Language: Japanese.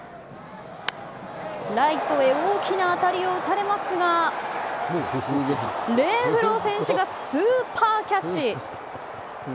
ライトへ大きな当たりを打たれますがレンフロー選手がスーパーキャッチ。